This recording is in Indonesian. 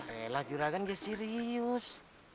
ya elah juragan gak serius